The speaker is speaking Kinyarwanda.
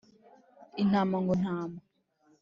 Intama ngo ma